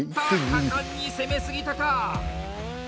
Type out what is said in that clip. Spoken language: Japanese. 果敢に攻めすぎたか。